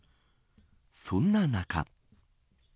そんな中。